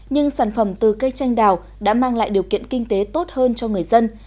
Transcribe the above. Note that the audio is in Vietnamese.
nhưng sản phẩm từ cây tranh đào đã mang lại điều kiện kinh tế tốt hơn cho người dân